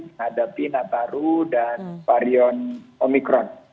menghadapi nataru dan varian omikron